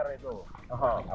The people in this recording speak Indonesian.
sekat ke sini boleh